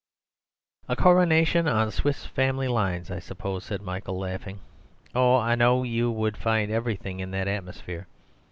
"A coronation on 'Swiss Family' lines, I suppose," said Michael, laughing. "Oh, I know you would find everything in that atmosphere.